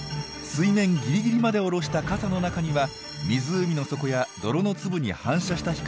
水面ギリギリまで下ろした傘の中には湖の底や泥の粒に反射した光しか入ってきません。